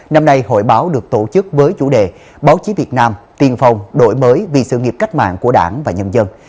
năm nay hội báo được tổ chức với chủ đề báo chí việt nam tiên phong đổi mới vì sự nghiệp cách mạng của đảng và nhân dân